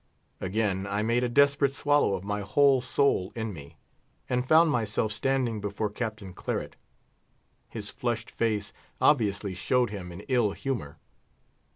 Again I made a desperate swallow of my whole soul in me, and found myself standing before Captain Claret. His flushed face obviously showed him in ill humour.